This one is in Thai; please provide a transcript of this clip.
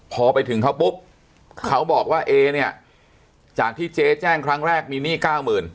พอไปถึงเขาปุ๊บเขาบอกว่าเอเนี่ยจากที่เจ๊แจ้งครั้งแรกมีหนี้เก้าหมื่น